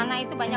mas kita banyak